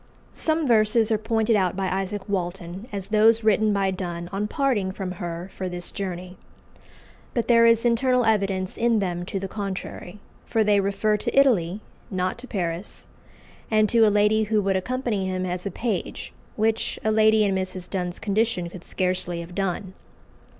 Some verses are pointed out by Isaac Walton as those written by Donne on parting from her for this journey. But there is internal evidence in them to the contrary; for they refer to Italy, not to Paris, and to a lady who would accompany him as a page, which a lady in Mrs. Donne's condition could scarcely have done.